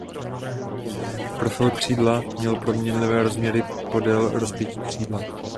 Profil křídla měl proměnlivé rozměry podél rozpětí křídla.